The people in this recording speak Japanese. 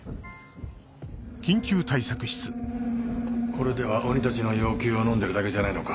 ・これでは鬼たちの要求をのんでるだけじゃないのか？